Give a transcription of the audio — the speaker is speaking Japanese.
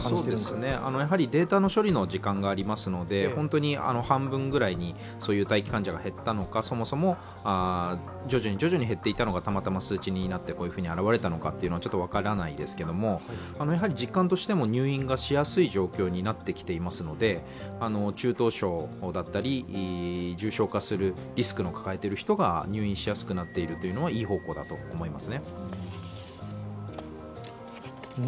データの処理の時間がありますので、本当に半分ぐらいに、そういう待機患者が減ったのか、そもそも徐々に徐々に減っていったのが、たまたま数字になって、こういうふうに表れたのかは分からないんですけども実感としても入院がしやすい状況になってきていますので、中等症だったり重症化するリスクを抱えている人が入院しやすくなっているというのは、いい方向だと思いますね。